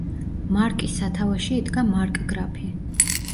მარკის სათავეში იდგა მარკგრაფი.